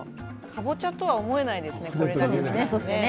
かぼちゃとは思えないですね。